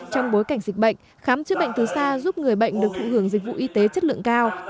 trong bối cảnh dịch bệnh khám chữa bệnh từ xa giúp người bệnh được thụ hưởng dịch vụ y tế chất lượng cao